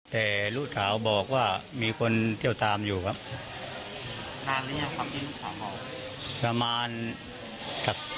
แต่ลูกสาวบอกว่ามีคนเที่ยวตามอยู่ครับ